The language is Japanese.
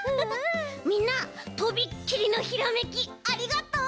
みんなとびっきりのひらめきありがとう！